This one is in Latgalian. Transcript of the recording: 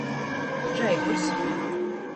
Žeigurs.